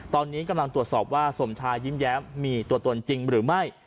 ตอนนี้กำลังตรวจสอบว่าสมชายยิ้มแย้มมีตัวตนจริงหรือไม่